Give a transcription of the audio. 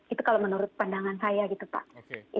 itu kalau menurut pandangan saya gitu pak